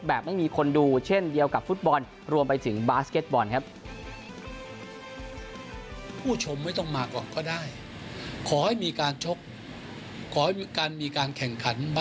แบบไม่มีคนดูเช่นเดียวกับฟุตบอลรวมไปถึงบาสเก็ตบอลครับ